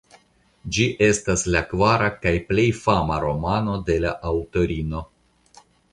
Ĝi estas la kvara kaj plej fama romano de la aŭtorino.